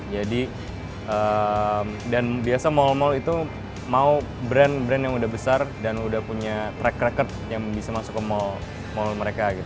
jadi dan biasa mall mall itu mau brand brand yang udah besar dan udah punya track record yang bisa masuk ke mall mereka